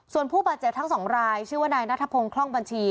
ส่วนผู้บาดเจ็บทั้งสองรายชื่อว่านายนัทพงศ์คล่องบัญชี